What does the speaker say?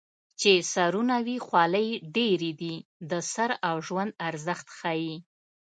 چې سرونه وي خولۍ ډېرې دي د سر او ژوند ارزښت ښيي